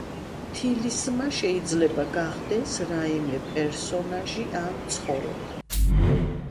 თილისმა შეიძლება გახდეს რაიმე პერსონაჟი ან ცხოველი.